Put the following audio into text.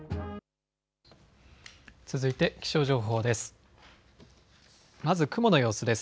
続いて気象情報です。